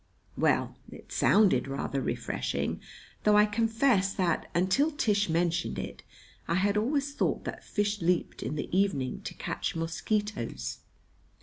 Well, it sounded rather refreshing, though I confess that, until Tish mentioned it, I had always thought that fish leaped in the evening to catch mosquitoes.